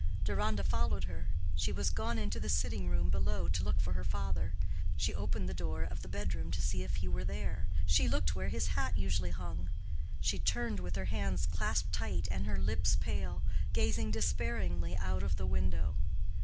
Deronda followed her—she was gone into the sitting room below to look for her father—she opened the door of the bedroom to see if he were there—she looked where his hat usually hung—she turned with her hands clasped tight and her lips pale, gazing despairingly out of the window.